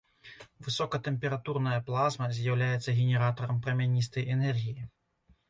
Высокатэмпературная плазма з'яўляецца генератарам прамяністай энергіі.